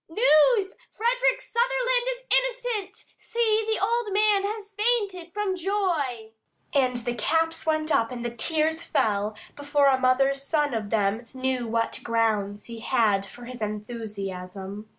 "News! Frederick Sutherland is innocent! See! the old man has fainted from joy!" And caps went up and tears fell, before a mother's son of them knew what grounds he had for his enthusiasm.